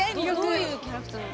どういうキャラクターなの？